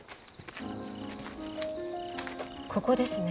ここですね。